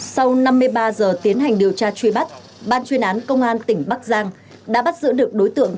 sau năm mươi ba giờ tiến hành điều tra truy bắt ban chuyên án công an tỉnh bắc giang đã bắt giữ được đối tượng